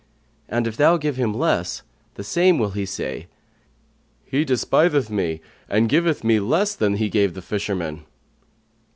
And if thou give him less, the same will say, He despiseth me and giveth me less than he gave the fisherman.'"